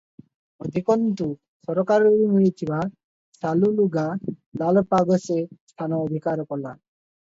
ଅଧିକନ୍ତୁ ସରକାରରୁ ମିଳିଥିବା ଶାଲୁ ଲୁଗା ଲାଲପାଗ ସେ ସ୍ଥାନ ଅଧିକାର କଲା ।